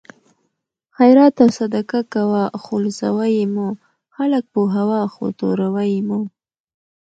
خیرات او صدقات کوه خو لوڅوه یې مه؛ خلک پوهوه خو توروه یې مه